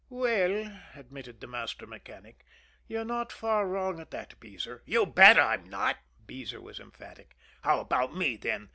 "Well," admitted the master mechanic, "you're not far wrong at that, Beezer." "You bet, I'm not!" Beezer was emphatic. "How about me, then?